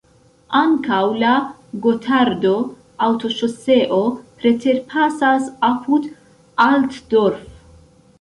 Ankaŭ la Gotardo-autoŝoseo preterpasas apud Altdorf.